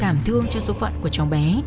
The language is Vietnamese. cảm thương cho số phận của cháu bé